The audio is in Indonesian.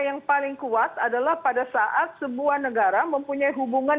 yang paling kuat adalah pada saat sebuah negara mempunyai hubungan